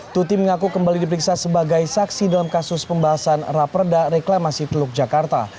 tuti mengaku kembali diperiksa sebagai saksi dalam kasus pembahasan raperda reklamasi teluk jakarta